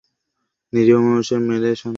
নিরীহ মানুষকে মেরে সন্ত্রাসবাদ ছড়াচ্ছে।